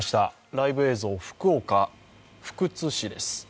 ライブ映像、福岡福津市です。